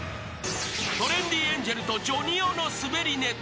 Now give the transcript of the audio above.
［トレンディエンジェルとジョニ男のスベリネタ］